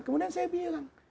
kemudian saya bilang